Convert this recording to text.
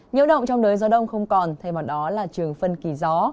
nhiễu động trong đời gió đông không còn thay vào đó là trường phân kỳ gió